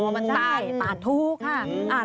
อ๋อมันตันตัดทุกค่ะ